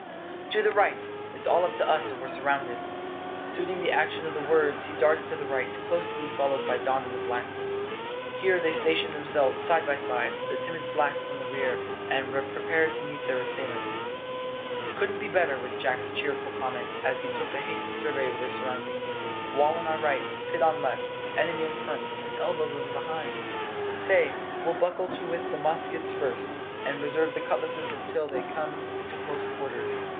"To the right! It's all up with us if we're surrounded." Suiting the action to the words, he darted to the right, closely followed by Don and the blacks. Here they stationed themselves side by side, the timid blacks in the rear, and prepared to meet their assailants. "Couldn't be better!" was Jack's cheerful comment, as he took a hasty survey of their surroundings. "Wall on our right; pit on left; enemy in front; and elbow room behind. Say, we'll buckle to with the muskets first, and reserve the cutlasses till it comes to close quarters.